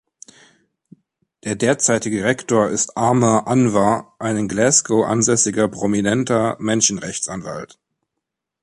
Der derzeitige Rektor ist Aamer Anwar, ein in Glasgow ansässiger, prominenter Menschenrechtsanwalt.